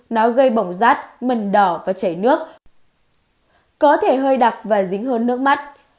nó gây bỏng rát mần đỏ và chảy nước có thể hơi đặc và dính hơn nước mắt